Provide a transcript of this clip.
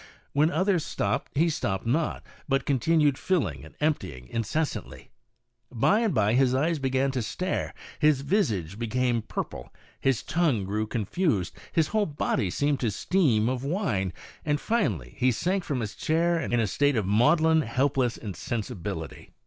"When others stopped he stopped not, but continued filling and emptying incessantly. By and by his eyes began to stare, his visage became purple, his tongue grew con fused, his whole body seemed to steam of wine, and finally he sank from his chair in a state of maudlin, helpless insensibility.